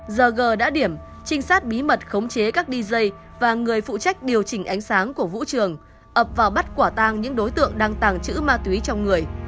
giờ g đã điểm trinh sát bí mật khống chế các dj và người phụ trách điều chỉnh ánh sáng của vũ trường ập vào bắt quả tang những đối tượng đang tàng trữ ma túy trong người